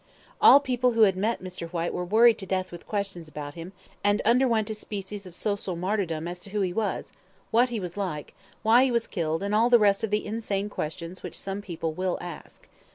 All people who had met Mr. Whyte were worried to death with questions about him, and underwent a species of social martyrdom as to who he was, what he was like, why he was killed, and all the rest of the insane questions which some people will ask.